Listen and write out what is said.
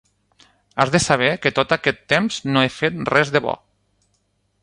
Has de saber que tot aquest temps no he fet res de bo.